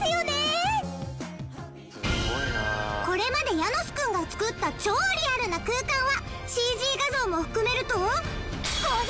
これまでヤノスくんが作った超リアルな空間はＣＧ画像も含めると５００以上！